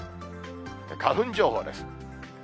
花粉情報です。